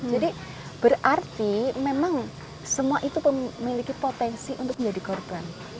jadi berarti memang semua itu memiliki potensi untuk menjadi korban